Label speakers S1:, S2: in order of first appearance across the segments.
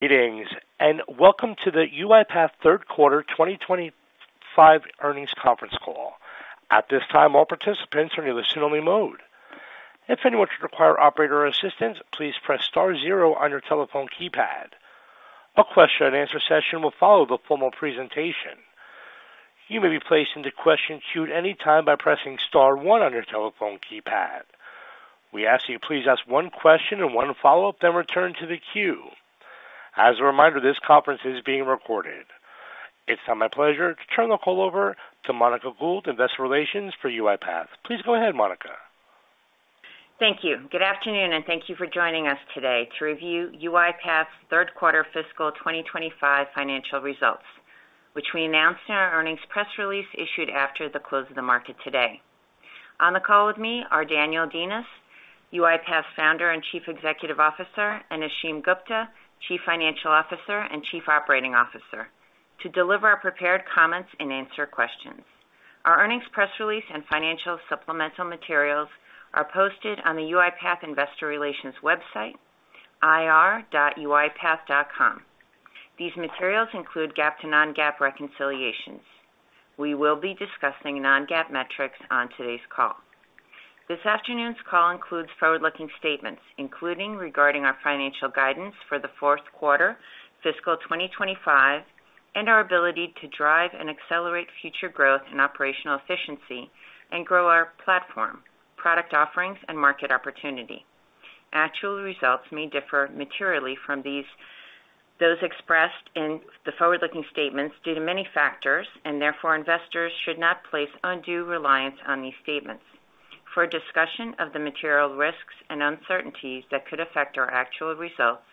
S1: Greetings, and welcome to the UiPath third quarter 2025 earnings conference call. At this time, all participants are in listen-only mode. If anyone should require operator assistance, please press star zero on your telephone keypad. A question-and-answer session will follow the formal presentation. You may be placed into question queue at any time by pressing star one on your telephone keypad. We ask that you please ask one question and one follow-up, then return to the queue. As a reminder, this conference is being recorded. It's now my pleasure to turn the call over to Monica Gould, Investor Relations for UiPath. Please go ahead, Monica.
S2: Thank you. Good afternoon, and thank you for joining us today to review UiPath's third quarter fiscal 2025 financial results, which we announced in our earnings press release issued after the close of the market today. On the call with me are Daniel Dines, UiPath's Founder and Chief Executive Officer, and Ashim Gupta, Chief Financial Officer and Chief Operating Officer, to deliver our prepared comments and answer questions. Our earnings press release and financial supplemental materials are posted on the UiPath Investor Relations website, ir.uipath.com. These materials include GAAP-to-non-GAAP reconciliations. We will be discussing non-GAAP metrics on today's call. This afternoon's call includes Forward-looking statements, including regarding our financial guidance for the fourth quarter, fiscal 2025, and our ability to drive and accelerate future growth and operational efficiency and grow our platform, product offerings, and market opportunity. Actual results may differ materially from those expressed in the forward-looking statements due to many factors, and therefore investors should not place undue reliance on these statements. For a discussion of the material risks and uncertainties that could affect our actual results,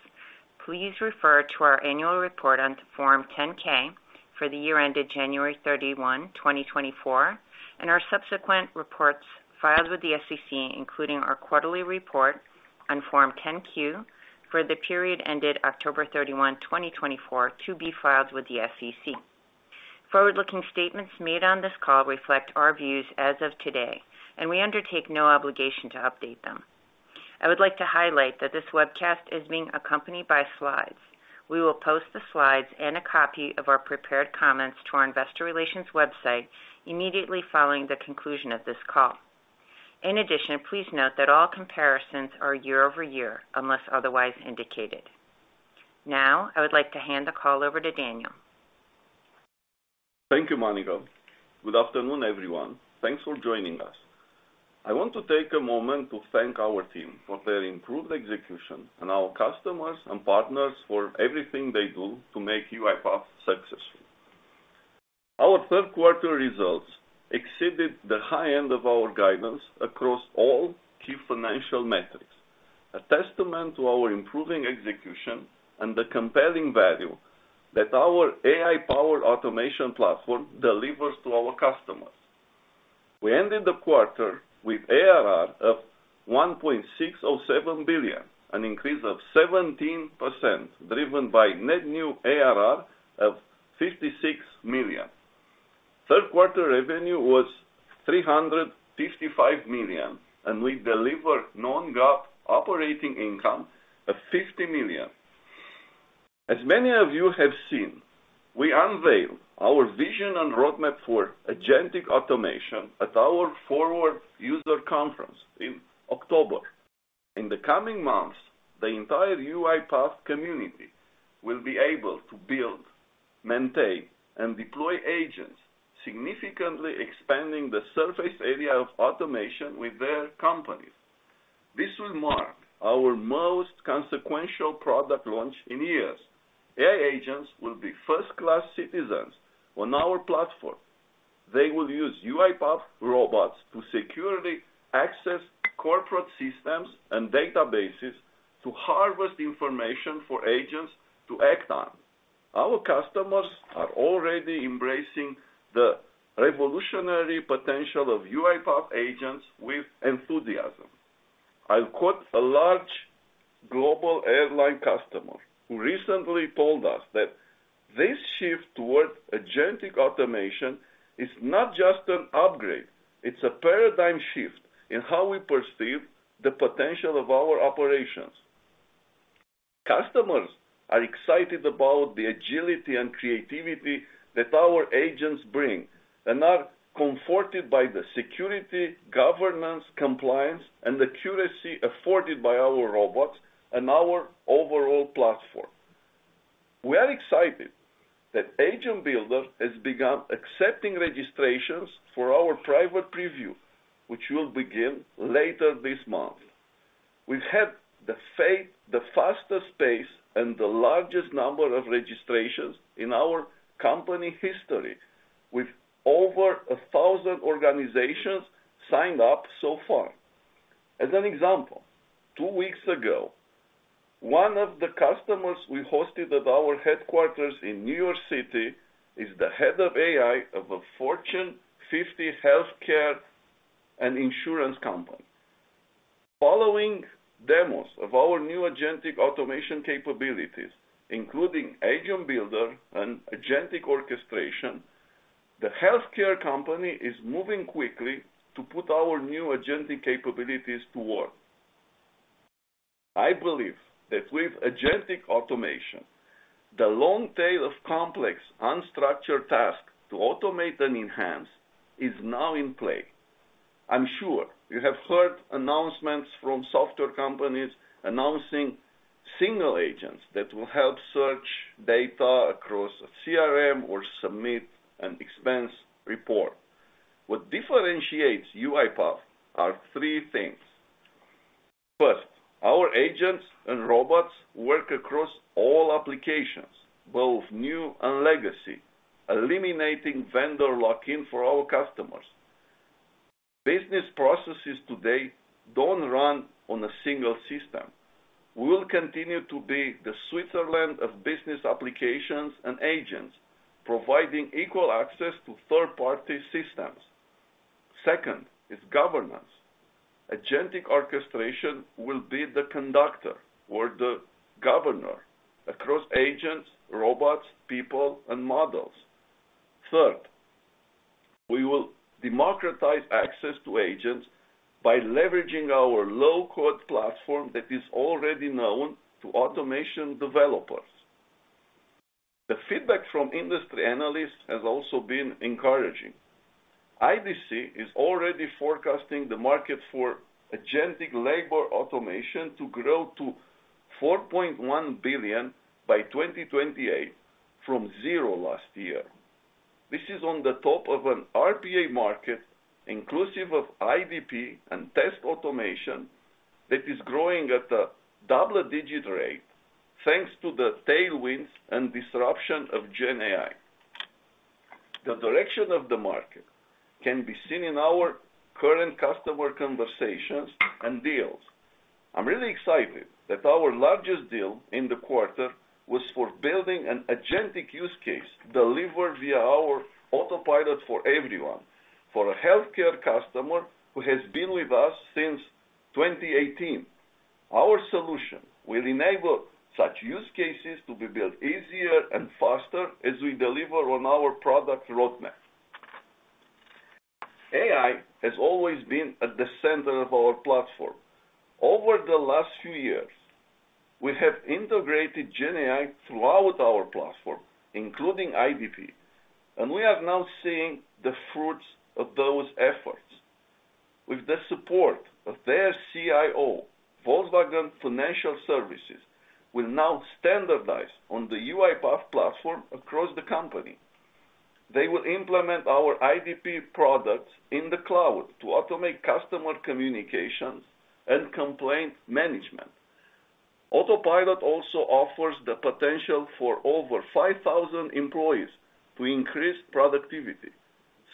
S2: please refer to our annual report on Form 10-K for the year ended January 31, 2024, and our subsequent reports filed with the SEC, including our quarterly report on Form 10-Q for the period ended October 31, 2024, to be filed with the SEC. Forward-looking statements made on this call reflect our views as of today, and we undertake no obligation to update them. I would like to highlight that this webcast is being accompanied by slides. We will post the slides and a copy of our prepared comments to our Investor Relations website immediately following the conclusion of this call. In addition, please note that all comparisons are year-over-year unless otherwise indicated. Now, I would like to hand the call over to Daniel.
S3: Thank you Monica. Good afternoon, everyone. Thanks for joining us. I want to take a moment to thank our team for their improved execution and our customers and partners for everything they do to make UiPath successful. Our third quarter results exceeded the high end of our guidance across all key financial metrics, a testament to our improving execution and the compelling value that our AI-powered automation platform delivers to our customers. We ended the quarter with ARR of $1.607 billion, an increase of 17%, driven by net new ARR of $56 million. Third quarter revenue was $355 million, and we delivered non-GAAP operating income of $50 million. As many of you have seen, we unveiled our vision and roadmap for agentic automation at our Forward User Conference in October. In the coming months, the entire UiPath community will be able to build, maintain, and deploy agents, significantly expanding the surface area of automation with their companies. This will mark our most consequential product launch in years. AI agents will be first-class citizens on our platform. They will use UiPath robots to securely access corporate systems and databases to harvest information for agents to act on. Our customers are already embracing the revolutionary potential of UiPath agents with enthusiasm. I'll quote a large global airline customer who recently told us that "this shift toward agentic automation is not just an upgrade. It's a paradigm shift in how we perceive the potential of our operations." Customers are excited about the agility and creativity that our agents bring and are comforted by the security, governance, compliance, and the accuracy afforded by our robots and our overall platform. We are excited that Agent Builder has begun accepting registrations for our private preview, which will begin later this month. We've had the fastest pace and the largest number of registrations in our company history, with over 1,000 organizations signed up so far. As an example, two weeks ago, one of the customers we hosted at our headquarters in New York City is the head of AI of a Fortune 50 healthcare and insurance company. Following demos of our new Agentic Automation capabilities, including Agent Builder and Agentic Orchestration, the healthcare company is moving quickly to put our new agentic capabilities to work. I believe that with Agentic Automation, the long tail of complex, unstructured tasks to automate and enhance is now in play. I'm sure you have heard announcements from software companies announcing single agents that will help search data across a CRM or submit an expense report. What differentiates UiPath are three things. First, our agents and robots work across all applications, both new and legacy, eliminating vendor lock-in for our customers. Business processes today don't run on a single system. We will continue to be the Switzerland of business applications and agents, providing equal access to third-party systems. Second is governance. Agentic orchestration will be the conductor or the governor across agents, robots, people, and models. Third, we will democratize access to agents by leveraging our low-code platform that is already known to automation developers. The feedback from industry analysts has also been encouraging. IDC is already forecasting the market for agentic labor automation to grow to $4.1 billion by 2028 from zero last year. This is on the top of an RPA market inclusive of IDP and test automation that is growing at a double-digit rate, thanks to the tailwinds and disruption of GenAI. The direction of the market can be seen in our current customer conversations and deals. I'm really excited that our largest deal in the quarter was for building an agentic use case delivered via our Autopilot for Everyone for a healthcare customer who has been with us since 2018. Our solution will enable such use cases to be built easier and faster as we deliver on our product roadmap. AI has always been at the center of our platform. Over the last few years, we have integrated GenAI throughout our platform, including IDP, and we are now seeing the fruits of those efforts. With the support of their CIO, Volkswagen Financial Services will now standardize on the UiPath platform across the company. They will implement our IDP products in the cloud to automate customer communications and complaint management. Autopilot also offers the potential for over 5,000 employees to increase productivity.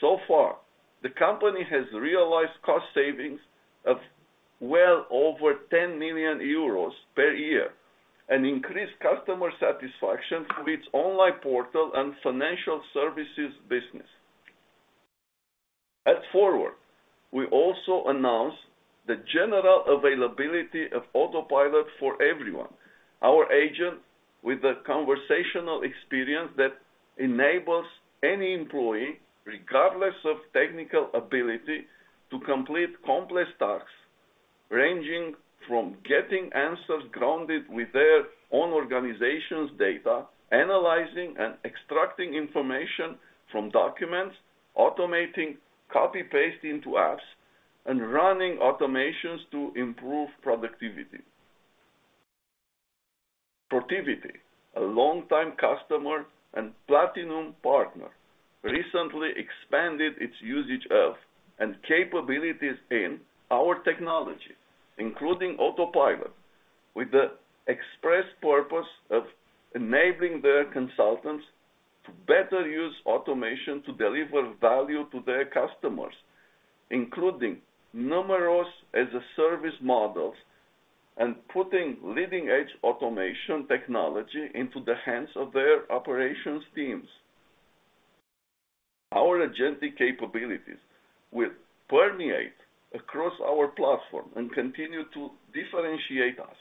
S3: So far, the company has realized cost savings of well over 10 million euros per year and increased customer satisfaction through its online portal and financial services business. At Forward, we also announced the general availability of Autopilot for Everyone, our agent with a conversational experience that enables any employee, regardless of technical ability, to complete complex tasks ranging from getting answers grounded with their own organization's data, analyzing and extracting information from documents, automating copy-paste into apps, and running automations to improve productivity. Protiviti, a longtime customer and Platinum partner, recently expanded its usage of and capabilities in our technology, including Autopilot, with the express purpose of enabling their consultants to better use automation to deliver value to their customers, including numerous as-a-service models and putting leading-edge automation technology into the hands of their operations teams. Our agentic capabilities will permeate across our platform and continue to differentiate us.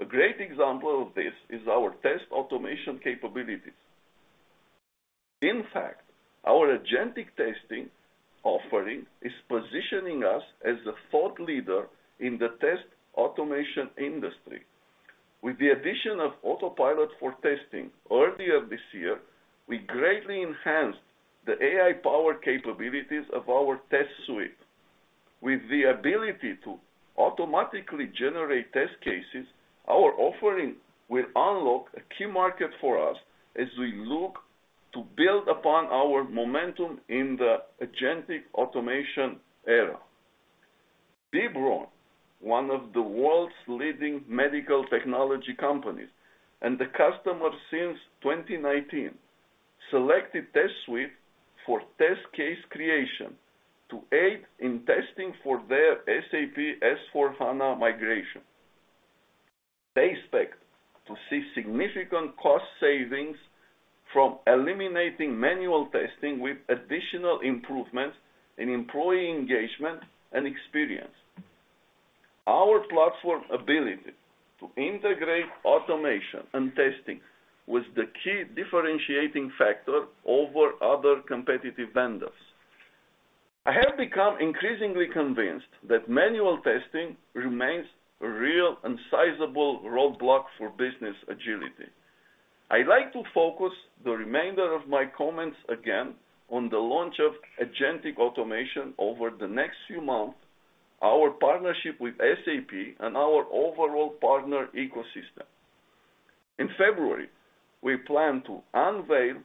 S3: A great example of this is our test automation capabilities. In fact, our agentic testing offering is positioning us as a thought leader in the test automation industry. With the addition of Autopilot for Testers earlier this year, we greatly enhanced the AI-powered capabilities of our Test Suite. With the ability to automatically generate test cases, our offering will unlock a key market for us as we look to build upon our momentum in the agentic automation era. B. Braun, one of the world's leading medical technology companies and a customer since 2019, selected Test Suite for test case creation to aid in testing for their SAP S/4HANA migration. They expect to see significant cost savings from eliminating manual testing with additional improvements in employee engagement and experience. Our platform ability to integrate automation and testing was the key differentiating factor over other competitive vendors. I have become increasingly convinced that manual testing remains a real and sizable roadblock for business agility. I'd like to focus the remainder of my comments again on the launch of agentic automation over the next few months, our partnership with SAP, and our overall partner ecosystem. In February, we plan to unveil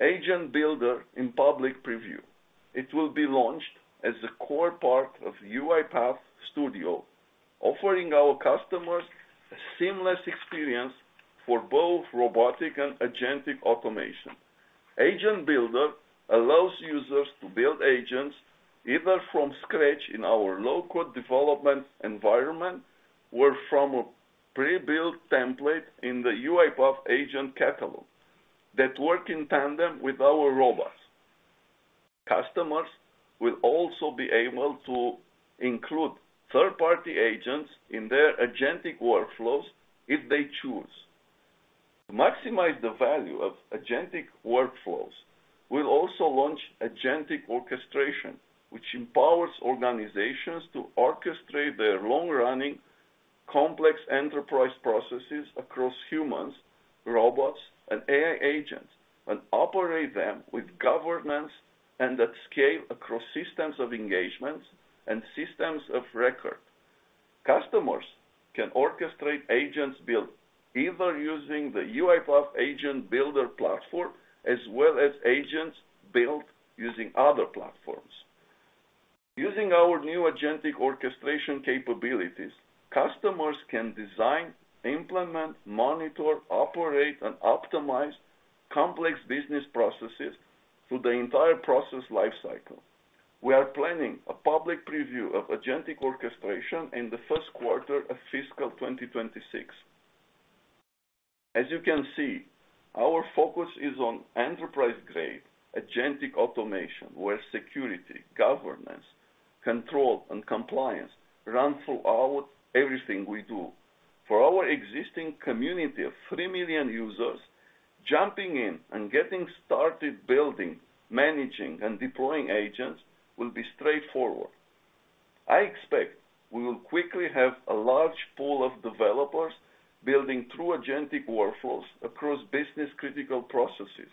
S3: Agent Builder in public preview. It will be launched as a core part of UiPath Studio, offering our customers a seamless experience for both robotic and agentic automation. Agent Builder allows users to build agents either from scratch in our low-code development environment or from a pre-built template in the UiPath Agent Catalog that works in tandem with our robots. Customers will also be able to include third-party agents in their agentic workflows if they choose. To maximize the value of agentic workflows, we'll also launch agentic orchestration, which empowers organizations to orchestrate their long-running, complex enterprise processes across humans, robots, and AI agents and operate them with governance and at scale across systems of engagements and systems of record. Customers can orchestrate agents built either using the UiPath Agent Builder platform as well as agents built using other platforms. Using our new agentic orchestration capabilities, customers can design, implement, monitor, operate, and optimize complex business processes through the entire process lifecycle. We are planning a public preview of agentic orchestration in the first quarter of fiscal 2026. As you can see, our focus is on enterprise-grade agentic automation where security, governance, control, and compliance run throughout everything we do. For our existing community of 3 million users, jumping in and getting started building, managing, and deploying agents will be straightforward. I expect we will quickly have a large pool of developers building through agentic workflows across business-critical processes.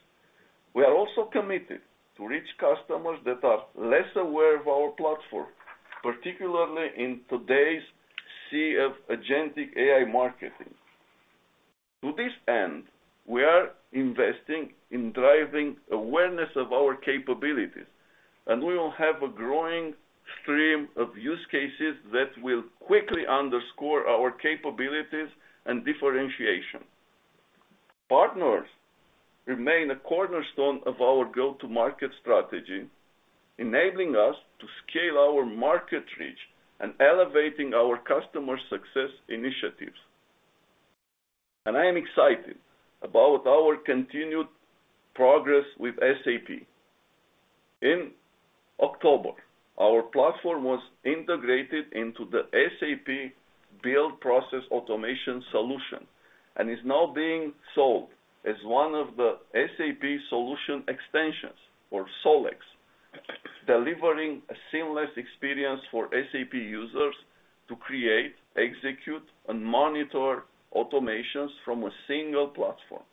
S3: We are also committed to reach customers that are less aware of our platform, particularly in today's sea of agentic AI marketing. To this end, we are investing in driving awareness of our capabilities, and we will have a growing stream of use cases that will quickly underscore our capabilities and differentiation. Partners remain a cornerstone of our go-to-market strategy, enabling us to scale our market reach and elevating our customer success initiatives. I am excited about our continued progress with SAP. In October, our platform was integrated into the SAP Build Process Automation solution and is now being sold as one of the SAP Solution Extensions or Solex, delivering a seamless experience for SAP users to create, execute, and monitor automations from a single platform.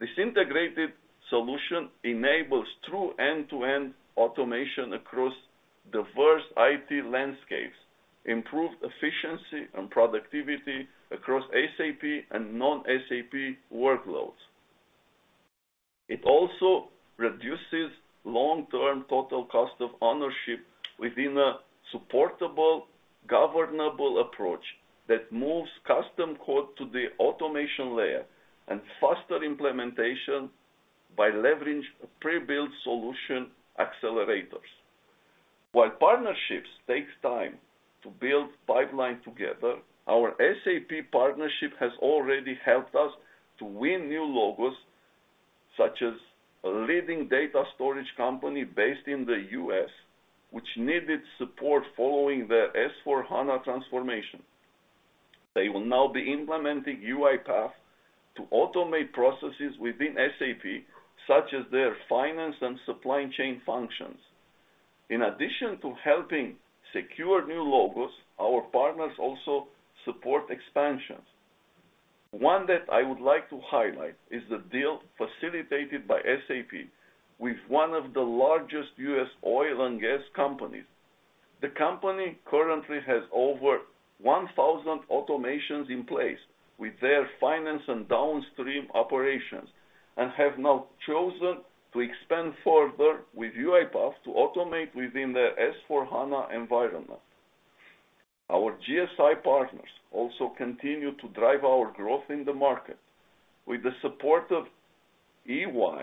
S3: This integrated solution enables true end-to-end automation across diverse IT landscapes, improved efficiency and productivity across SAP and non-SAP workloads. It also reduces long-term total cost of ownership within a supportable, governable approach that moves custom code to the automation layer and faster implementation by leveraging pre-built solution accelerators. While partnerships take time to build pipelines together, our SAP partnership has already helped us to win new logos, such as a leading data storage company based in the U.S., which needed support following their S/4HANA transformation. They will now be implementing UiPath to automate processes within SAP, such as their finance and supply chain functions. In addition to helping secure new logos, our partners also support expansions. One that I would like to highlight is the deal facilitated by SAP with one of the largest U.S. oil and gas companies. The company currently has over 1,000 automations in place with their finance and downstream operations and have now chosen to expand further with UiPath to automate within their S/4HANA environment. Our GSI partners also continue to drive our growth in the market. With the support of EY,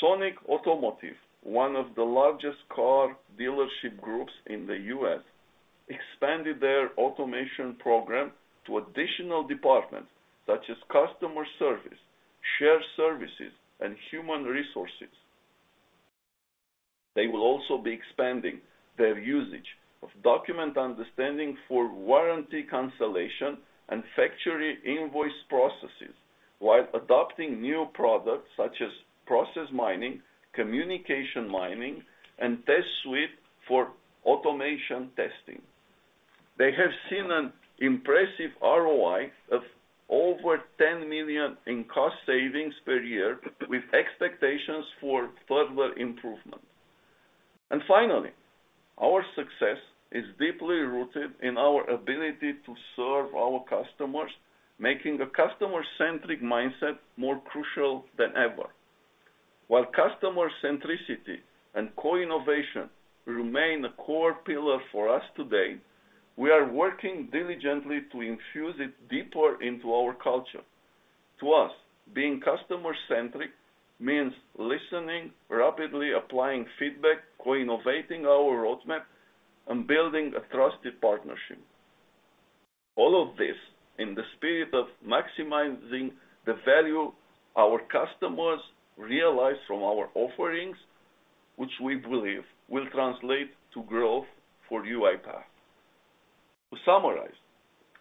S3: Sonic Automotive, one of the largest car dealership groups in the U.S., expanded their automation program to additional departments such as customer service, shared services, and human resources. They will also be expanding their usage of Document Understanding for warranty cancellation and factory invoice processes while adopting new products such as Process Mining, Communications Mining, and Test Suite for automation testing. They have seen an impressive ROI of over $10 million in cost savings per year with expectations for further improvement. Finally, our success is deeply rooted in our ability to serve our customers, making a customer-centric mindset more crucial than ever. While customer-centricity and co-innovation remain a core pillar for us today, we are working diligently to infuse it deeper into our culture. To us, being customer-centric means listening, rapidly applying feedback, co-innovating our roadmap, and building a trusted partnership. All of this in the spirit of maximizing the value our customers realize from our offerings, which we believe will translate to growth for UiPath. To summarize,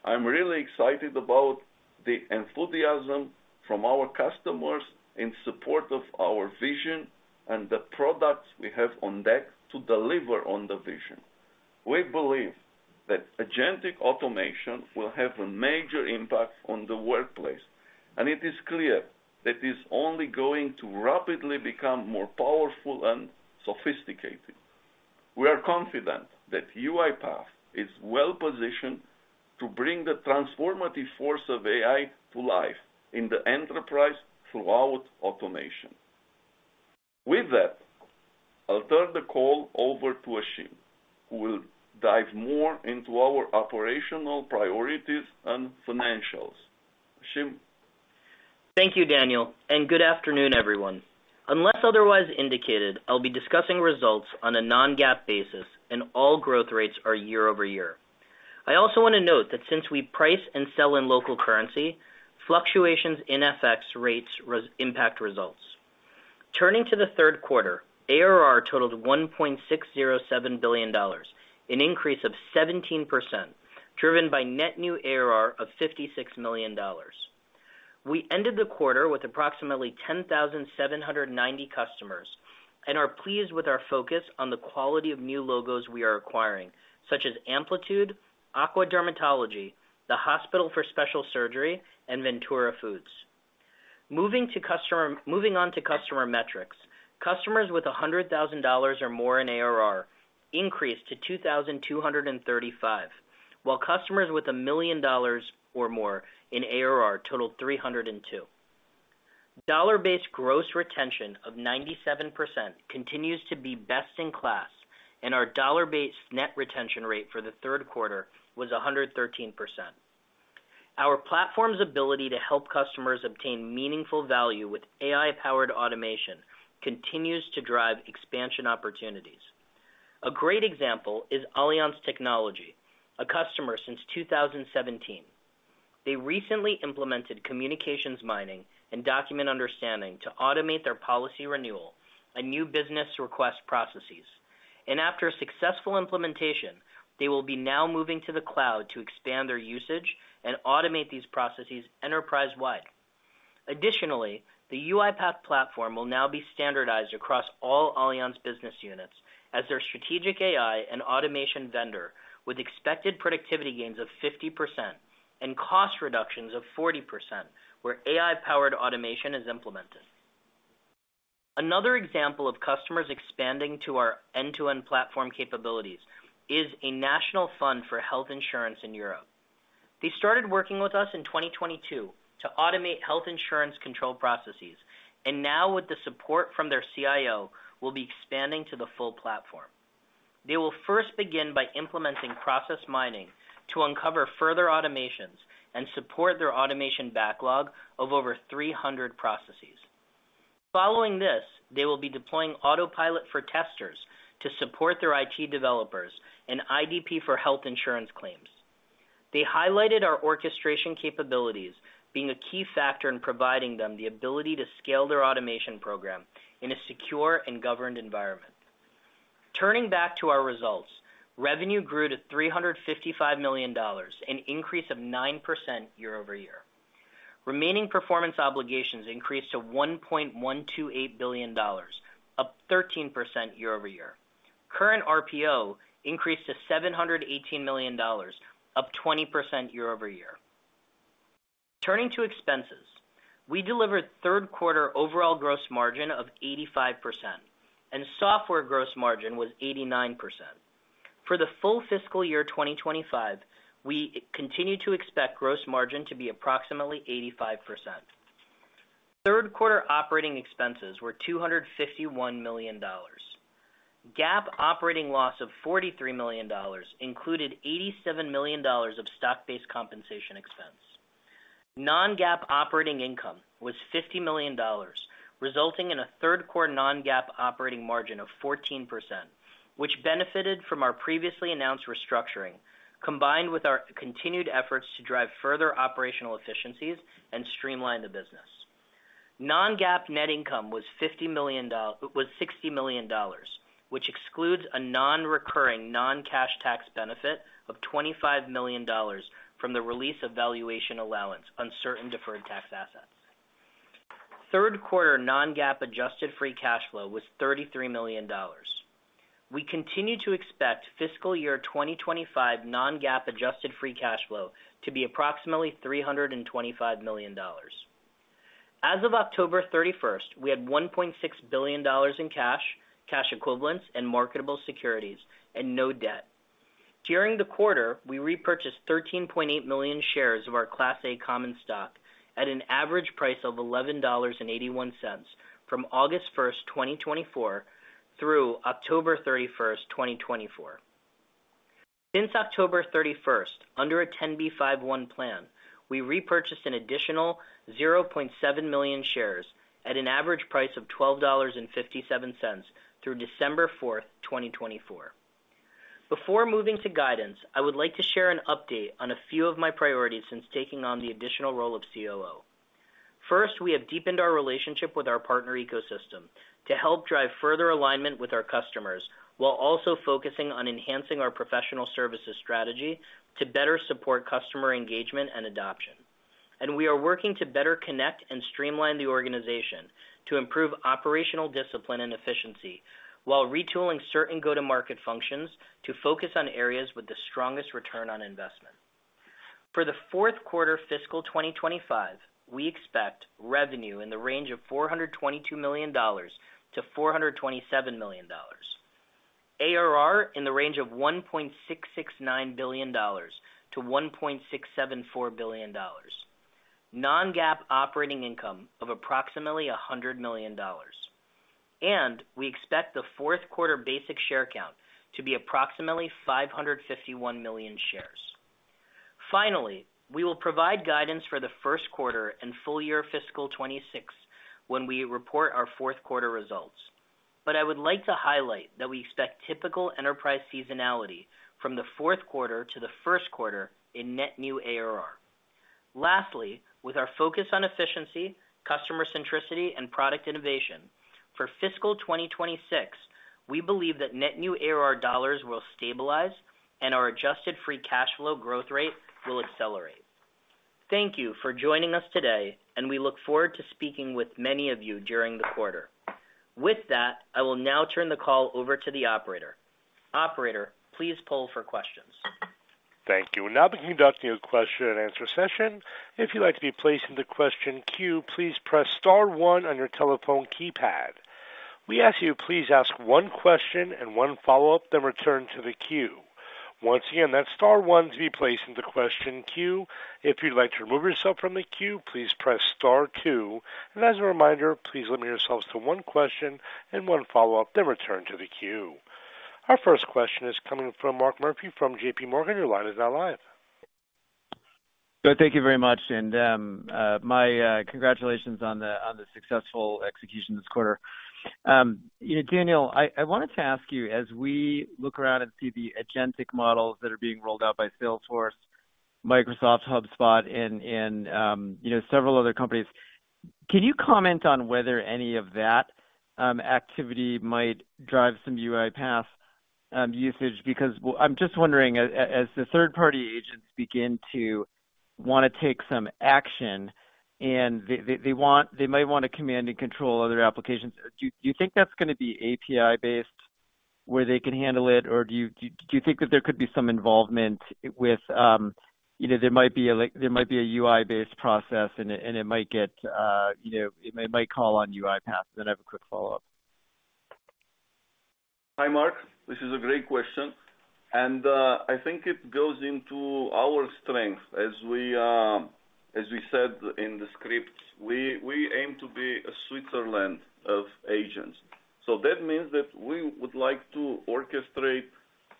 S3: I'm really excited about the enthusiasm from our customers in support of our vision and the products we have on deck to deliver on the vision. We believe that agentic automation will have a major impact on the workplace, and it is clear that it is only going to rapidly become more powerful and sophisticated. We are confident that UiPath is well-positioned to bring the transformative force of AI to life in the enterprise throughout automation. With that, I'll turn the call over to Ashim, who will dive more into our operational priorities and financials. Ashim.
S4: Thank you, Daniel, and good afternoon, everyone. Unless otherwise indicated, I'll be discussing results on a non-GAAP basis and all growth rates are year-over-year. I also want to note that since we price and sell in local currency, fluctuations in FX rates impact results. Turning to the third quarter, ARR totaled $1.607 billion, an increase of 17%, driven by net new ARR of $56 million. We ended the quarter with approximately 10,790 customers and are pleased with our focus on the quality of new logos we are acquiring, such as Amplitude, Aqua Dermatology, Hospital for Special Surgery, and Ventura Foods. Moving on to customer metrics, customers with $100,000 or more in ARR increased to 2,235, while customers with $1 million or more in ARR totaled 302. Dollar-based gross retention of 97% continues to be best in class, and our dollar-based net retention rate for the third quarter was 113%. Our platform's ability to help customers obtain meaningful value with AI-powered automation continues to drive expansion opportunities. A great example is Allianz Technology, a customer since 2017. They recently implemented Communications Mining and Document Understanding to automate their policy renewal and new business request processes, and after a successful implementation, they will be now moving to the cloud to expand their usage and automate these processes enterprise-wide. Additionally, the UiPath platform will now be standardized across all Allianz business units as their strategic AI and automation vendor, with expected productivity gains of 50% and cost reductions of 40% where AI-powered automation is implemented. Another example of customers expanding to our end-to-end platform capabilities is a national fund for health insurance in Europe. They started working with us in 2022 to automate health insurance control processes, and now, with the support from their CIO, will be expanding to the full platform. They will first begin by implementing process mining to uncover further automations and support their automation backlog of over 300 processes. Following this, they will be deploying Autopilot for Testers to support their IT developers and IDP for health insurance claims. They highlighted our orchestration capabilities being a key factor in providing them the ability to scale their automation program in a secure and governed environment. Turning back to our results, revenue grew to $355 million and an increase of 9% year-over-year. Remaining performance obligations increased to $1.128 billion, up 13% year-over-year. Current RPO increased to $718 million, up 20% year-over-year. Turning to expenses, we delivered third quarter overall gross margin of 85%, and software gross margin was 89%. For the full fiscal year 2025, we continue to expect gross margin to be approximately 85%. Third quarter operating expenses were $251 million. GAAP operating loss of $43 million included $87 million of stock-based compensation expense. Non-GAAP operating income was $50 million, resulting in a third quarter non-GAAP operating margin of 14%, which benefited from our previously announced restructuring combined with our continued efforts to drive further operational efficiencies and streamline the business. Non-GAAP net income was $60 million, which excludes a non-recurring non-cash tax benefit of $25 million from the release of valuation allowance on certain deferred tax assets. Third quarter non-GAAP adjusted free cash flow was $33 million. We continue to expect fiscal year 2025 non-GAAP adjusted free cash flow to be approximately $325 million. As of October 31st, we had $1.6 billion in cash, cash equivalents, and marketable securities, and no debt. During the quarter, we repurchased 13.8 million shares of our Class A common stock at an average price of $11.81 from August 1st, 2024, through October 31st, 2024. Since October 31st, under a 10b5-1 plan, we repurchased an additional 0.7 million shares at an average price of $12.57 through December 4th, 2024. Before moving to guidance, I would like to share an update on a few of my priorities since taking on the additional role of COO. First, we have deepened our relationship with our partner ecosystem to help drive further alignment with our customers while also focusing on enhancing our professional services strategy to better support customer engagement and adoption, and we are working to better connect and streamline the organization to improve operational discipline and efficiency while retooling certain go-to-market functions to focus on areas with the strongest return on investment. For the fourth quarter fiscal 2025, we expect revenue in the range of $422 million to $427 million. ARR in the range of $1.669 billion to $1.674 billion. Non-GAAP operating income of approximately $100 million, and we expect the fourth quarter basic share count to be approximately 551 million shares. Finally, we will provide guidance for the first quarter and full year fiscal 2026 when we report our fourth quarter results, but I would like to highlight that we expect typical enterprise seasonality from the fourth quarter to the first quarter in net new ARR. Lastly, with our focus on efficiency, customer-centricity, and product innovation, for fiscal 2026, we believe that net new ARR dollars will stabilize and our adjusted free cash flow growth rate will accelerate. Thank you for joining us today, and we look forward to speaking with many of you during the quarter. With that, I will now turn the call over to the operator. Operator, please poll for questions.
S1: Thank you. Now beginning the question and answer session. If you'd like to be placed in the question queue, please press star one on your telephone keypad. We ask you to please ask one question and one follow-up, then return to the queue. Once again, that's star one to be placed in the question queue. If you'd like to remove yourself from the queue, please press star two. And as a reminder, please limit yourselves to one question and one follow-up, then return to the queue. Our first question is coming from Mark Murphy from JPMorgan. Your line is now live.
S5: Thank you very much, and my congratulations on the successful execution this quarter. Daniel, I wanted to ask you, as we look around and see the agentic models that are being rolled out by Salesforce, Microsoft, HubSpot, and several other companies, can you comment on whether any of that activity might drive some UiPath usage? Because I'm just wondering, as the third-party agents begin to want to take some action and they might want to command and control other applications, do you think that's going to be API-based where they can handle it? Or do you think that there could be some involvement with there might be a UI-based process and it might call on UiPath? Then I have a quick follow-up.
S3: Hi, Mark. This is a great question. And I think it goes into our strength. As we said in the script, we aim to be a Switzerland of agents. So that means that we would like to orchestrate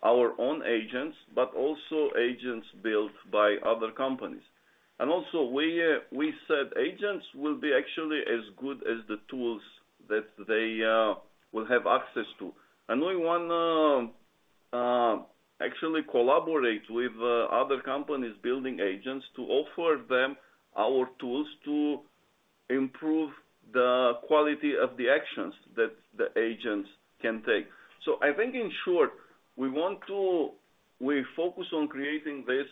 S3: our own agents, but also agents built by other companies. And also, we said agents will be actually as good as the tools that they will have access to. And we want to actually collaborate with other companies building agents to offer them our tools to improve the quality of the actions that the agents can take. So I think in short, we focus on creating this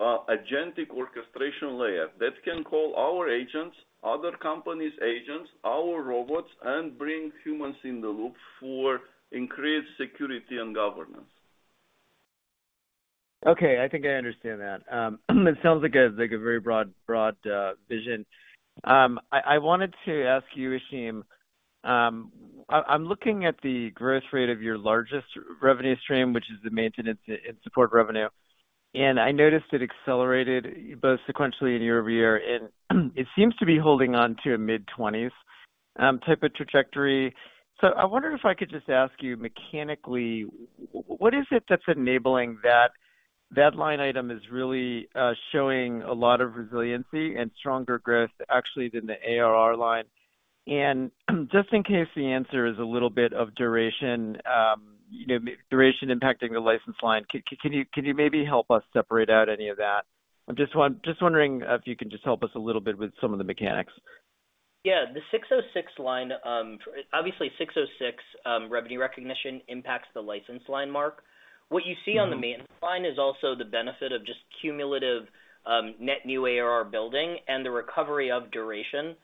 S3: agentic orchestration layer that can call our agents, other companies' agents, our robots, and bring humans in the loop for increased security and governance.
S4: Okay. I think I understand that. It sounds like a very broad vision. I wanted to ask you, Ashim. I'm looking at the growth rate of your largest revenue stream, which is the maintenance and support revenue. And I noticed it accelerated both sequentially and year-over-year. It seems to be holding on to a mid-20s type of trajectory. I wonder if I could just ask you mechanically, what is it that's enabling that line item is really showing a lot of resiliency and stronger growth actually than the ARR line? And just in case the answer is a little bit of duration impacting the license line, can you maybe help us separate out any of that? I'm just wondering if you can just help us a little bit with some of the mechanics. Yeah. The 606 line, obviously 606 revenue recognition impacts the license line, Mark. What you see on the maintenance line is also the benefit of just cumulative net new ARR building and the recovery of duration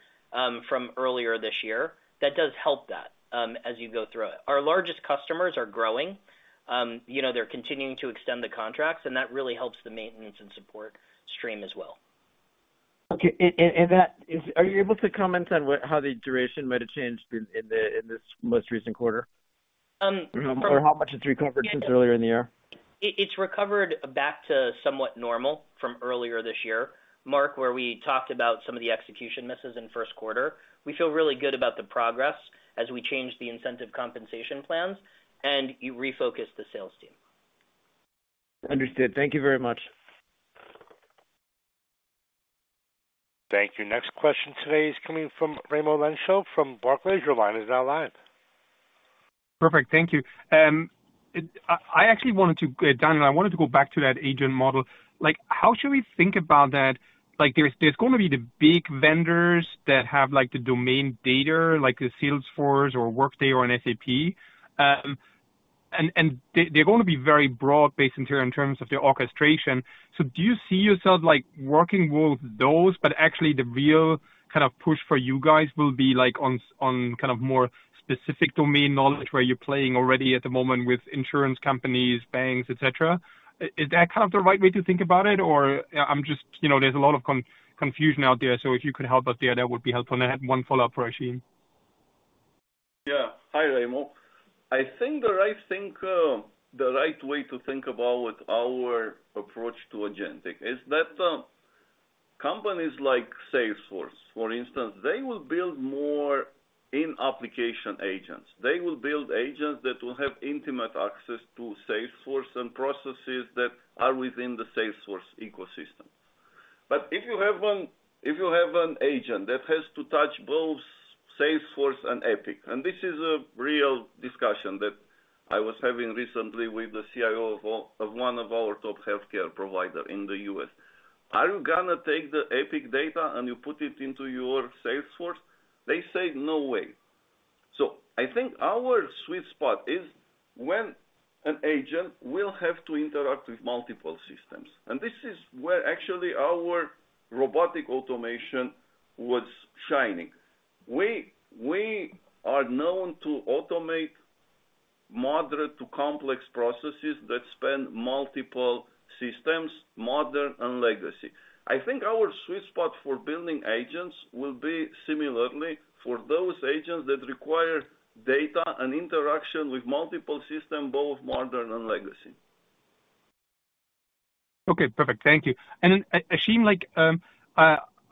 S4: from earlier this year. That does help as you go through it. Our largest customers are growing. They're continuing to extend the contracts, and that really helps the maintenance and support stream as well. Okay. And are you able to comment on how the duration might have changed in this most recent quarter? Or how much has recovered since earlier in the year? It's recovered back to somewhat normal from earlier this year, Mark, where we talked about some of the execution misses in first quarter. We feel really good about the progress as we changed the incentive compensation plans and refocused the sales team. Understood.
S5: Thank you very much.
S1: Thank you. Next question today is coming from Raimo Lenschow from Barclays. Your line is now live.
S6: Perfect. Thank you. I actually wanted to, Daniel, I wanted to go back to that agent model. How should we think about that? There's going to be the big vendors that have the domain data, like the Salesforce or Workday or an SAP. And they're going to be very broad-based in terms of the orchestration. So do you see yourself working with those, but actually the real kind of push for you guys will be on kind of more specific domain knowledge where you're playing already at the moment with insurance companies, banks, etc.? Is that kind of the right way to think about it? Or I'm just, there's a lot of confusion out there. So if you could help us there, that would be helpful. And I had one follow-up for Ashim.
S3: Yeah. Hi, Raimo. I think the right way to think about our approach to agentic is that companies like Salesforce, for instance, they will build more in-application agents. They will build agents that will have intimate access to Salesforce and processes that are within the Salesforce ecosystem. But if you have an agent that has to touch both Salesforce and Epic, and this is a real discussion that I was having recently with the CIO of one of our top healthcare providers in the U.S., are you going to take the Epic data and you put it into your Salesforce? They say no way. So I think our sweet spot is when an agent will have to interact with multiple systems. And this is where actually our robotic automation was shining. We are known to automate moderate to complex processes that span multiple systems, modern and legacy. I think our sweet spot for building agents will be similarly for those agents that require data and interaction with multiple systems, both modern and legacy.
S6: Okay. Perfect. Thank you. Ashim,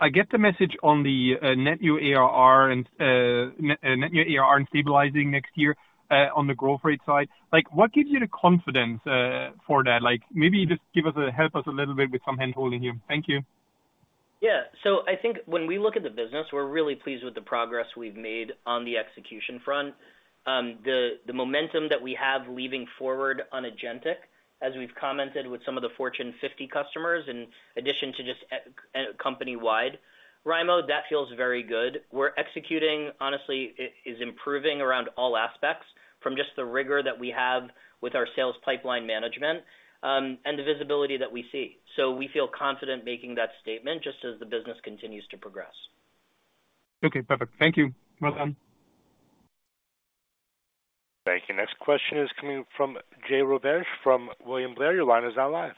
S6: I get the message on the net new ARR and stabilizing next year on the growth rate side. What gives you the confidence for that? Maybe just help us a little bit with some handholding here. Thank you.
S4: Yeah. So I think when we look at the business, we're really pleased with the progress we've made on the execution front. The momentum that we have looking forward on agentic, as we've commented with some of the Fortune 50 customers in addition to just company-wide, Raimo, that feels very good. We're executing, honestly, is improving around all aspects from just the rigor that we have with our sales pipeline management and the visibility that we see. So we feel confident making that statement just as the business continues to progress.
S6: Okay. Perfect. Thank you. Well done.
S1: Thank you. Next question is coming from Jake Roberge from William Blair. Your line is now live.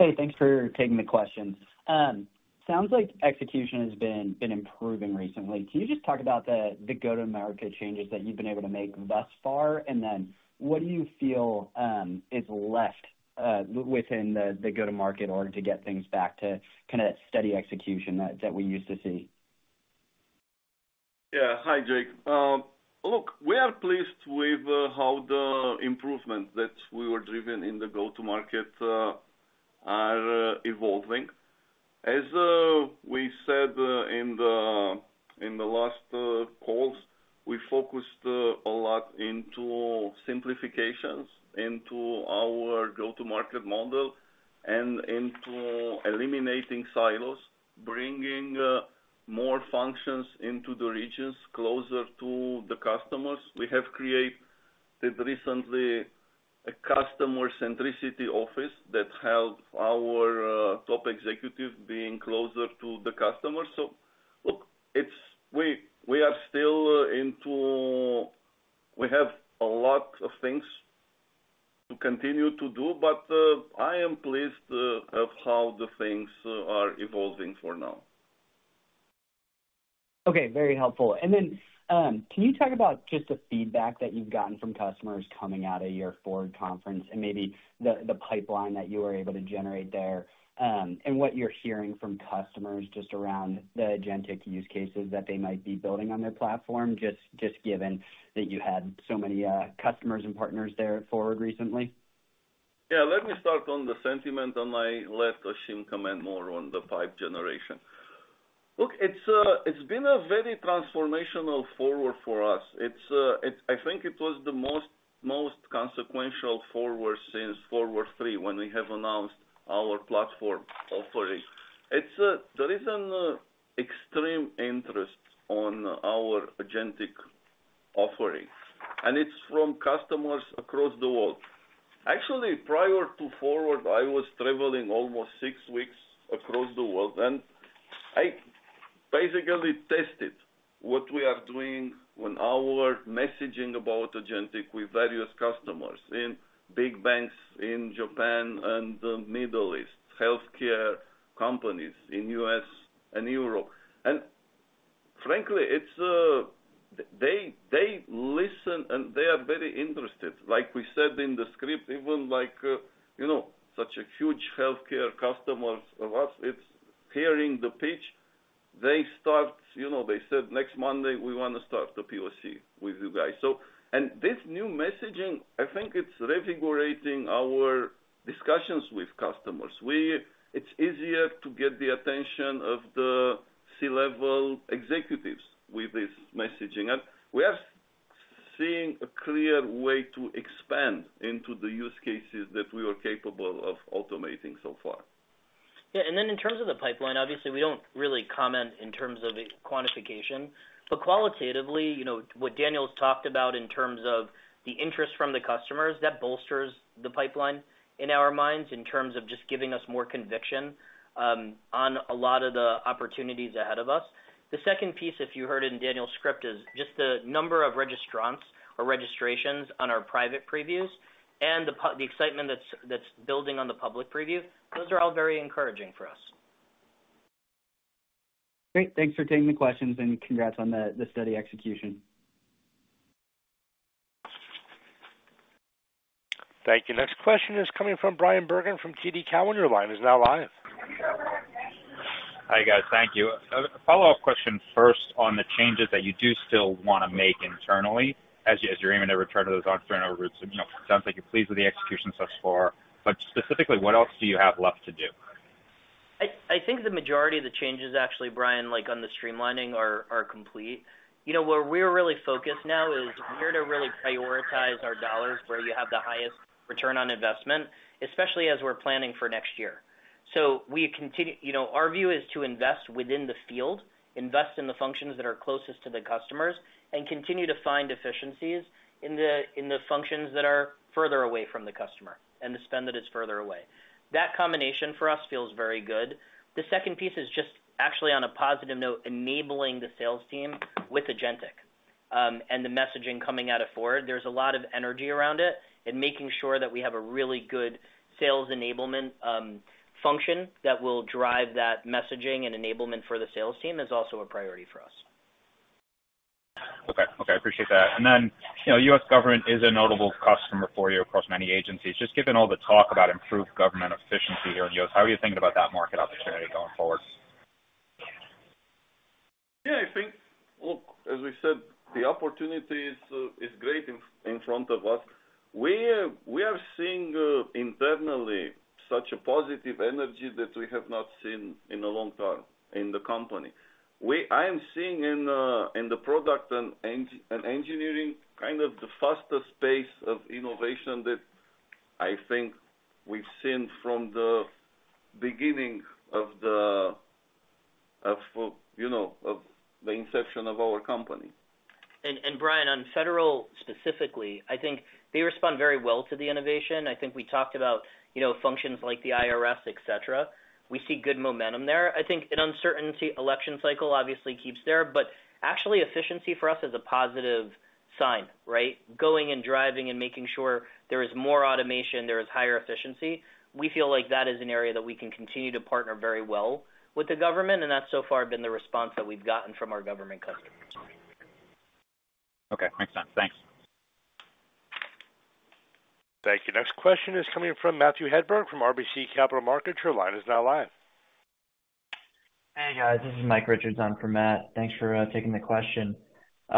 S7: Hey, thanks for taking the question. Sounds like execution has been improving recently. Can you just talk about the go-to-market changes that you've been able to make thus far? And then what do you feel is left within the go-to-market in order to get things back to kind of that steady execution that we used to see? Yeah.
S3: Hi, Jake. Look, we are pleased with how the improvements that we were driven in the go-to-market are evolving. As we said in the last calls, we focused a lot into simplifications, into our go-to-market model, and into eliminating silos, bringing more functions into the regions closer to the customers. We have created recently a customer-centricity office that helped our top executives be closer to the customers. So look, we are still in. We have a lot of things to continue to do, but I am pleased with how the things are evolving for now.
S7: Okay. Very helpful. And then can you talk about just the feedback that you've gotten from customers coming out of your Forward conference and maybe the pipeline that you were able to generate there and what you're hearing from customers just around the agentic use cases that they might be building on their platform, just given that you had so many customers and partners there at Forward recently?
S3: Yeah. Let me start on the sentiment. On my left, Ashim, comment more on the pipeline generation. Look, it has been a very transformational Forward for us. I think it was the most consequential Forward since Forward three when we announced our platform offering. There is an extreme interest on our agentic offering, and it's from customers across the world. Actually, prior to today, I was traveling almost six weeks across the world, and I basically tested what we are doing when our messaging about agentic with various customers in big banks in Japan and the Middle East, healthcare companies in the U.S. and Europe. And frankly, they listen and they are very interested. Like we said in the script, even such a huge healthcare customer of us, it's hearing the pitch. They said, "Next Monday, we want to start the POC with you guys." And this new messaging, I think it's reinvigorating our discussions with customers. It's easier to get the attention of the C-level executives with this messaging. And we are seeing a clear way to expand into the use cases that we were capable of automating so far.
S7: Yeah. And then in terms of the pipeline, obviously, we don't really comment in terms of quantification. But qualitatively, what Daniel's talked about in terms of the interest from the customers, that bolsters the pipeline in our minds in terms of just giving us more conviction on a lot of the opportunities ahead of us. The second piece, if you heard in Daniel's script, is just the number of registrants or registrations on our private previews and the excitement that's building on the public preview. Those are all very encouraging for us. Great. Thanks for taking the questions and congrats on the steady execution.
S1: Thank you. Next question is coming from Bryan Bergin from TD Cowen. He's now live.
S8: Hi, guys. Thank you. Follow-up question first on the changes that you do still want to make internally. As you're aiming to return to those entrepreneur roots, it sounds like you're pleased with the execution so far. But specifically, what else do you have left to do?
S3: I think the majority of the changes, actually, Bryan, on the streamlining are complete. Where we're really focused now is we're to really prioritize our dollars where you have the highest return on investment, especially as we're planning for next year. So our view is to invest within the field, invest in the functions that are closest to the customers, and continue to find efficiencies in the functions that are further away from the customer and the spend that is further away. That combination for us feels very good. The second piece is just actually on a positive note, enabling the sales team with agentic and the messaging coming out forward. There's a lot of energy around it and making sure that we have a really good sales enablement function that will drive that messaging and enablement for the sales team is also a priority for us.
S8: Okay. Okay. I appreciate that. And then U.S. government is a notable customer for you across many agencies. Just given all the talk about improved government efficiency here in the U.S., how are you thinking about that market opportunity going forward?
S4: Yeah. I think, look, as we said, the opportunity is great in front of us. We are seeing internally such a positive energy that we have not seen in a long time in the company. I am seeing in the product and engineering kind of the fastest pace of innovation that I think we've seen from the beginning of the inception of our company. Brian, on federal specifically, I think they respond very well to the innovation. I think we talked about functions like the IRS, etc. We see good momentum there. I think an uncertainty election cycle obviously keeps there, but actually efficiency for us is a positive sign, right? Going and driving and making sure there is more automation, there is higher efficiency. We feel like that is an area that we can continue to partner very well with the government, and that's so far been the response that we've gotten from our government customers. Okay. Makes sense.
S8: Thanks.
S1: Thank you. Next question is coming from Matthew Hedberg from RBC Capital Markets. Your line is now live.
S9: Hey, guys. This is Mike Richardson from Matt. Thanks for taking the question. It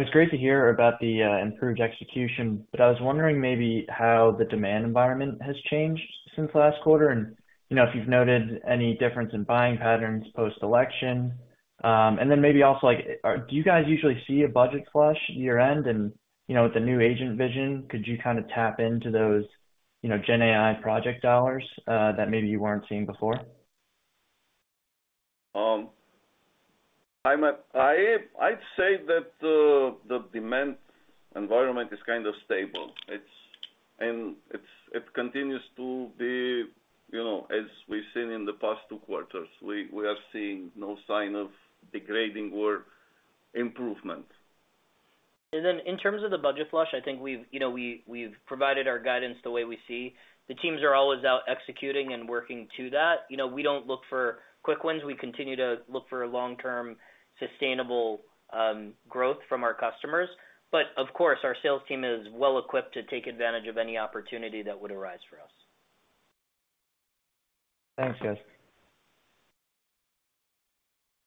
S9: was great to hear about the improved execution, but I was wondering maybe how the demand environment has changed since last quarter and if you've noted any difference in buying patterns post-election? And then maybe also, do you guys usually see a budget flush year-end? And with the new agent vision, could you kind of tap into those GenAI project dollars that maybe you weren't seeing before? I'd say that the demand environment is kind of stable. And it continues to be as we've seen in the past two quarters. We are seeing no sign of degrading or improvement. And then in terms of the budget flush, I think we've provided our guidance the way we see. The teams are always out executing and working to that. We don't look for quick wins. We continue to look for long-term sustainable growth from our customers. But of course, our sales team is well-equipped to take advantage of any opportunity that would arise for us. Thanks, guys.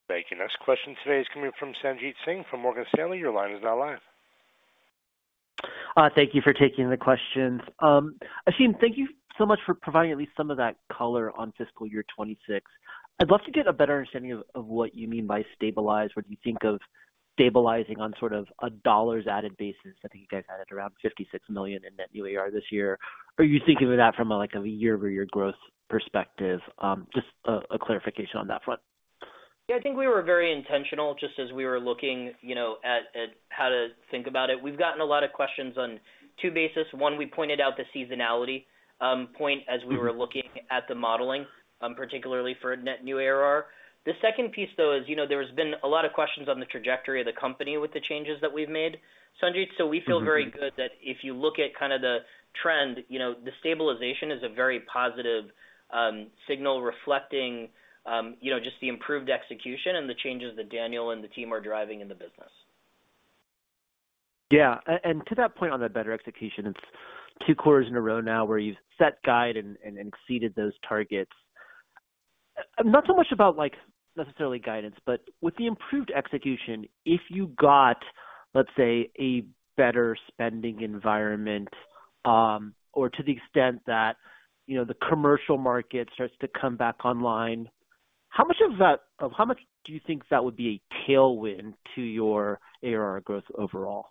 S1: Thank you. Next question today is coming from Sanjit Singh from Morgan Stanley. Your line is now live.
S10: Thank you for taking the questions. Ashim, thank you so much for providing at least some of that color on fiscal year 2026. I'd love to get a better understanding of what you mean by stabilize. What do you think of stabilizing on sort of a dollars-added basis? I think you guys added around 56 million in net new AR this year. Are you thinking of that from a year-over-year growth perspective? Just a clarification on that front.
S4: Yeah. I think we were very intentional just as we were looking at how to think about it. We've gotten a lot of questions on two bases. One, we pointed out the seasonality point as we were looking at the modeling, particularly for net new ARR. The second piece, though, is there has been a lot of questions on the trajectory of the company with the changes that we've made, Sanjeet. So we feel very good that if you look at kind of the trend, the stabilization is a very positive signal reflecting just the improved execution and the changes that Daniel and the team are driving in the business.
S10: Yeah. And to that point on the better execution, it's two quarters in a row now where you've set guide and exceeded those targets. Not so much about necessarily guidance, but with the improved execution, if you got, let's say, a better spending environment or to the extent that the commercial market starts to come back online, how much do you think that would be a tailwind to your AR growth overall?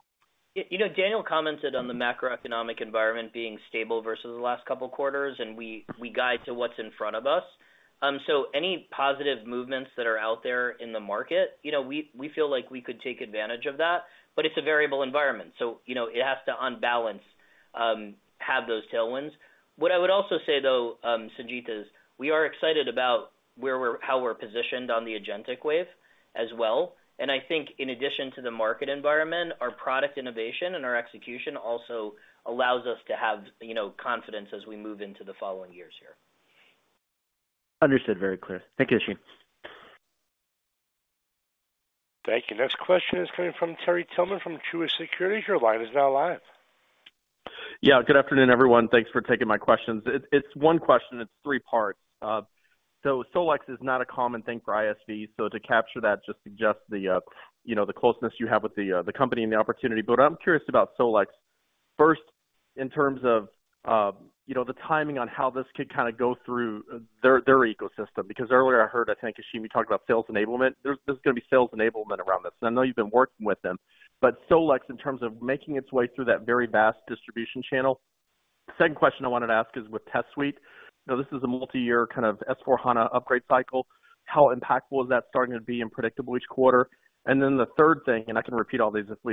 S4: Daniel commented on the macroeconomic environment being stable versus the last couple of quarters, and we guide to what's in front of us, so any positive movements that are out there in the market, we feel like we could take advantage of that, but it's a variable environment, so it has to balance, have those tailwinds. What I would also say, though, Sanjit, is we are excited about how we're positioned on the agentic wave as well. And I think in addition to the market environment, our product innovation and our execution also allows us to have confidence as we move into the following years here. Understood.
S10: Very clear. Thank you, Ashim.
S1: Thank you. Next question is coming from Terry Tillman from Truist Securities. Your line is now live.
S11: Yeah. Good afternoon, everyone. Thanks for taking my questions. It's one question. It's three parts. So Solex is not a common thing for ISVs. So to capture that, just suggest the closeness you have with the company and the opportunity. But I'm curious about Solex first in terms of the timing on how this could kind of go through their ecosystem. Because earlier I heard, I think, Ashim, you talked about sales enablement. There's going to be sales enablement around this. And I know you've been working with them. But Solex, in terms of making its way through that very vast distribution channel. Second question I wanted to ask is with Test Suite. This is a multi-year kind of S/4HANA upgrade cycle. How impactful is that starting to be and predictable each quarter? And then the third thing, and I can repeat all these if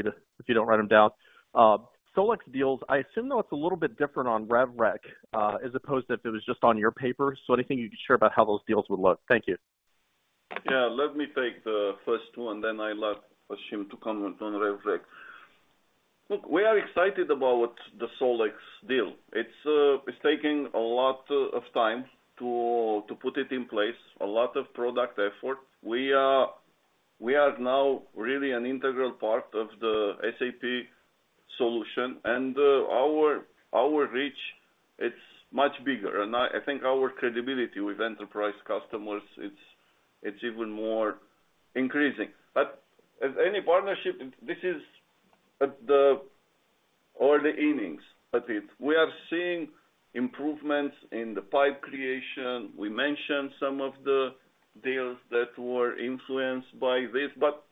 S11: you don't write them down. Solex deals, I assume, though, it's a little bit different on RevRec as opposed to if it was just on your paper. So anything you could share about how those deals would look? Thank you.
S3: Yeah. Let me take the first one, then I'll let Ashim to comment on RevRec. Look, we are excited about the Solex deal. It's taking a lot of time to put it in place, a lot of product effort. We are now really an integral part of the SAP solution, and our reach, it's much bigger. And I think our credibility with enterprise customers, it's even more increasing. But as any partnership, this is the early innings. But we are seeing improvements in the pipe creation. We mentioned some of the deals that were influenced by this, but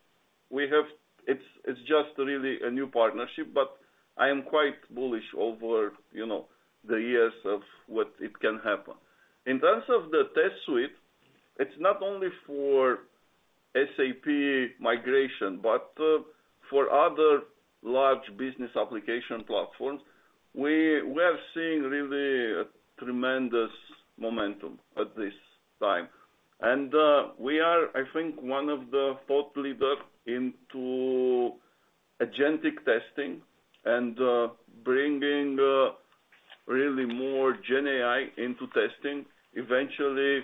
S3: it's just really a new partnership. But I am quite bullish over the years of what it can happen. In terms of the Test Suite, it's not only for SAP migration, but for other large business application platforms. We are seeing really a tremendous momentum at this time. We are, I think, one of the thought leaders into agentic testing and bringing really more GenAI into testing, eventually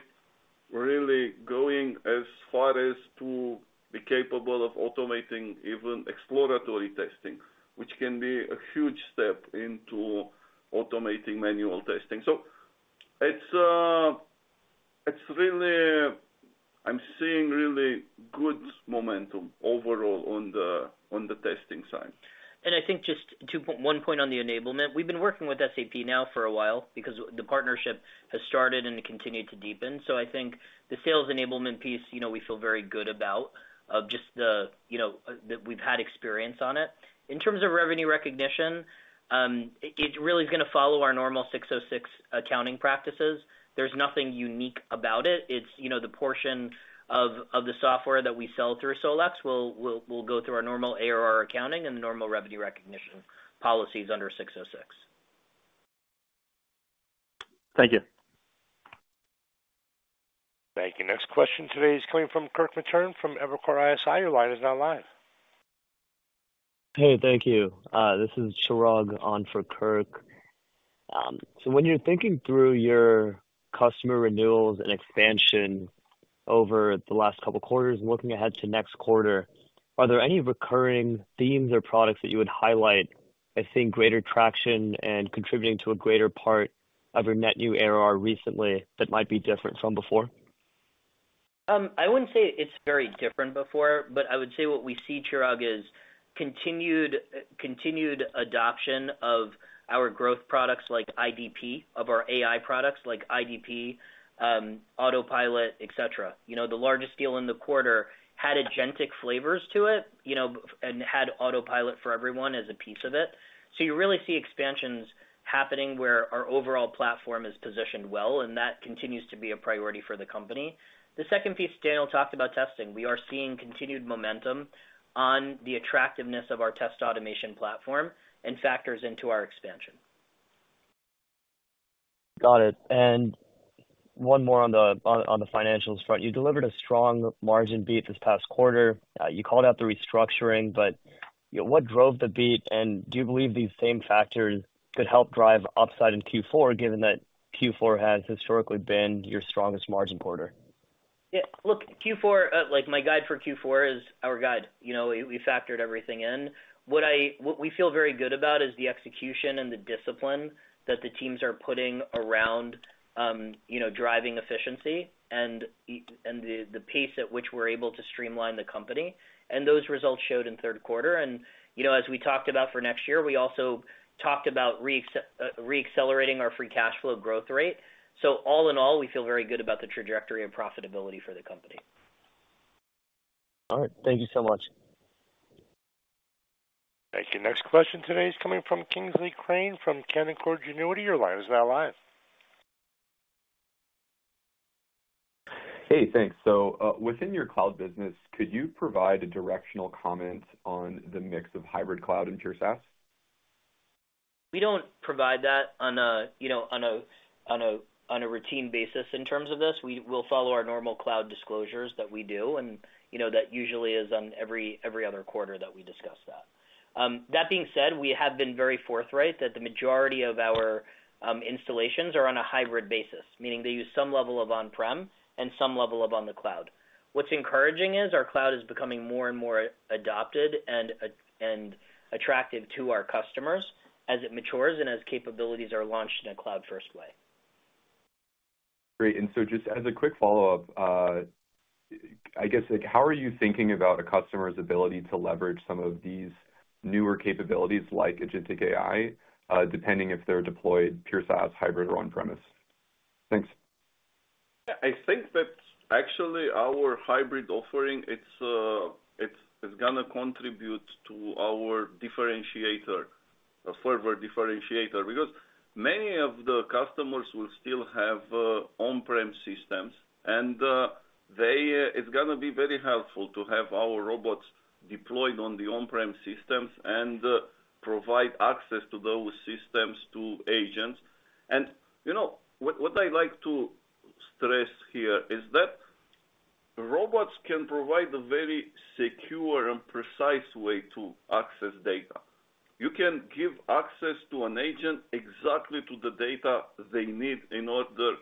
S3: really going as far as to be capable of automating even exploratory testing, which can be a huge step into automating manual testing. It's really I'm seeing really good momentum overall on the testing side. I think just one point on the enablement. We've been working with SAP now for a while because the partnership has started and continued to deepen. I think the sales enablement piece, we feel very good about just that we've had experience on it. In terms of revenue recognition, it really is going to follow our normal 606 accounting practices. There's nothing unique about it. The portion of the software that we sell through Solex will go through our normal ARR accounting and the normal revenue recognition policies under 606.
S11: Thank you.
S3: Thank you. Next question today is coming from Kirk Materne from Evercore ISI. Your line is now live.
S4: Hey, thank you. This is Chirag on for Kirk. So when you're thinking through your customer renewals and expansion over the last couple of quarters and looking ahead to next quarter, are there any recurring themes or products that you would highlight as seeing greater traction and contributing to a greater part of your net new ARR recently that might be different from before? I wouldn't say it's very different before, but I would say what we see, Chirag, is continued adoption of our growth products like IDP, of our AI products like IDP, Autopilot, etc. The largest deal in the quarter had agentic flavors to it and had Autopilot for Everyone as a piece of it. So, you really see expansions happening where our overall platform is positioned well, and that continues to be a priority for the company. The second piece Daniel talked about, testing. We are seeing continued momentum on the attractiveness of our test automation platform and factors into our expansion.
S3: Got it. And one more on the financials front. You delivered a strong margin beat this past quarter. You called out the restructuring, but what drove the beat? And do you believe these same factors could help drive upside in Q4, given that Q4 has historically been your strongest margin quarter?
S11: Yeah. Look, my guide for Q4 is our guide. We factored everything in. What we feel very good about is the execution and the discipline that the teams are putting around driving efficiency and the pace at which we're able to streamline the company, and those results showed in third quarter. And as we talked about for next year, we also talked about re-accelerating our free cash flow growth rate. So all in all, we feel very good about the trajectory of profitability for the company.
S3: All right. Thank you so much.
S1: Thank you. Next question today is coming from Kingsley Crane from Canaccord Genuity. Your line is now live.
S12: Hey, thanks. So within your cloud business, could you provide a directional comment on the mix of hybrid cloud and pure SaaS? We don't provide that on a routine basis in terms of this. We'll follow our normal cloud disclosures that we do, and that usually is on every other quarter that we discuss that. That being said, we have been very forthright that the majority of our installations are on a hybrid basis, meaning they use some level of on-prem and some level of on the cloud. What's encouraging is our cloud is becoming more and more adopted and attractive to our customers as it matures and as capabilities are launched in a cloud-first way.
S4: Great. And so just as a quick follow-up, I guess, how are you thinking about a customer's ability to leverage some of these newer capabilities like agentic AI, depending if they're deployed pure SaaS, hybrid, or on-premise? Thanks.
S3: Yeah. I think that actually our hybrid offering, it's going to contribute to our differentiator, a further differentiator, because many of the customers will still have on-prem systems. And it's going to be very helpful to have our robots deployed on the on-prem systems and provide access to those systems to agents. And what I'd like to stress here is that robots can provide a very secure and precise way to access data. You can give access to an agent exactly to the data they need in order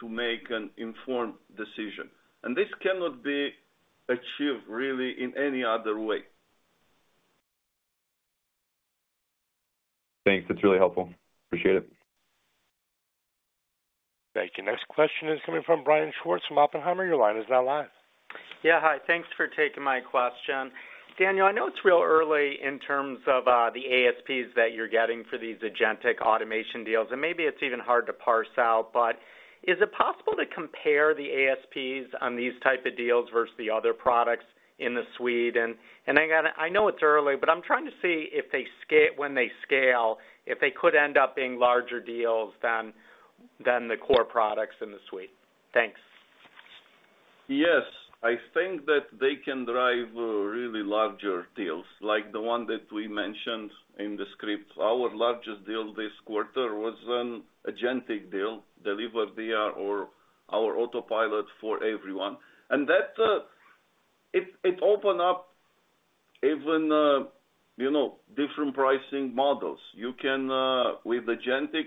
S3: to make an informed decision, and this cannot be achieved really in any other way.
S12: Thanks. That's really helpful. Appreciate it.
S1: Thank you. Next question is coming from Brian Schwartz from Oppenheimer. Your line is now live.
S13: Yeah. Hi. Thanks for taking my question. Daniel, I know it's real early in terms of the ASPs that you're getting for these agentic automation deals, and maybe it's even hard to parse out, but is it possible to compare the ASPs on these types of deals versus the other products in the suite, and I know it's early, but I'm trying to see if when they scale, if they could end up being larger deals than the core products in the suite. Thanks.
S3: Yes. I think that they can drive really larger deals, like the one that we mentioned in the script. Our largest deal this quarter was an agentic deal, delivered via or our Autopilot for Everyone. And it opened up even different pricing models. With agentic,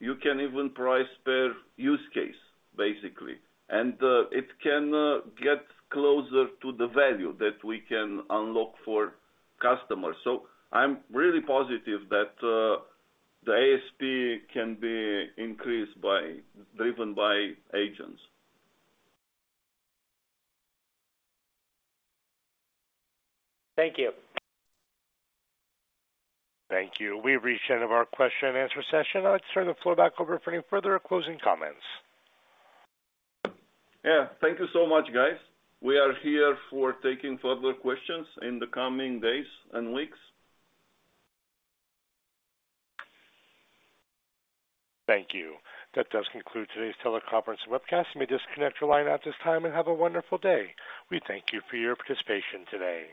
S3: you can even price per use case, basically. And it can get closer to the value that we can unlock for customers. So I'm really positive that the ASP can be increased by agents.
S13: Thank you.
S1: Thank you. We've reached the end of our question-and-answer session. I'd like to turn the floor back over for any further closing comments.
S4: Yeah. Thank you so much, guys. We are here for taking further questions in the coming days and weeks.
S1: Thank you. That does conclude today's teleconference and webcast. You may disconnect your line at this time and have a wonderful day. We thank you for your participation today.